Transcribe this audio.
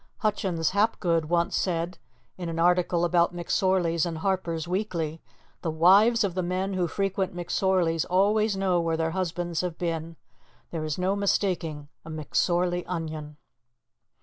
Hutchins Hapgood once said, in an article about McSorley's in Harper's Weekly: "The wives of the men who frequent McSorley's always know where their husbands have been. There is no mistaking a McSorley onion."